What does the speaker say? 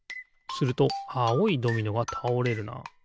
するとあおいドミノがたおれるな。